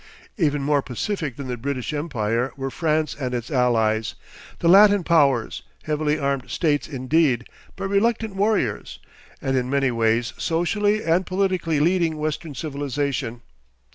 Even more pacific than the British Empire were France and its allies, the Latin powers, heavily armed states indeed, but reluctant warriors, and in many ways socially and politically leading western civilisation.